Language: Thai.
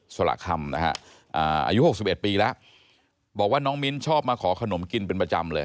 สละคำนะฮะอายุ๖๑ปีแล้วบอกว่าน้องมิ้นชอบมาขอขนมกินเป็นประจำเลย